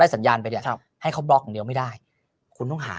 สัญญาณไปเนี่ยให้เขาบล็อกอย่างเดียวไม่ได้คุณต้องหา